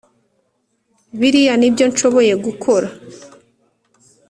biriya nibyonshoboye gukora